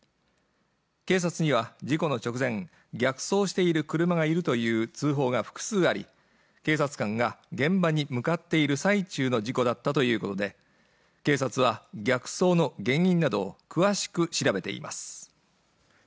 警察には事故の直前逆走している車がいるという通報が複数あり警察官が現場に向かっている最中の事故だったということで警察は逆走の原因などを詳しく調べています